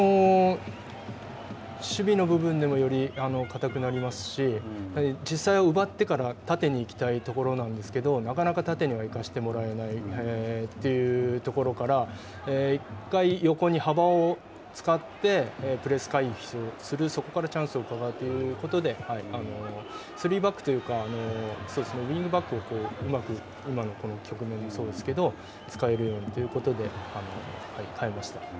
守備の部分でもよりかたくなりますし、実際奪ってから縦に行きたいところなんですけど、なかなか縦には行かせてもらえないというところから、１回、横に幅を使って、プレス回避をするそこからチャンスをうかがうということで、３バックというか、ウイングバックをうまく、今の局面もそうですけど、使えるようにということで変えました。